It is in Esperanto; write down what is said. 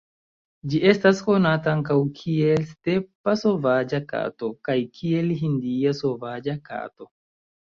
Ĝi estas konata ankaŭ kiel "stepa sovaĝa kato" kaj kiel "hindia sovaĝa kato".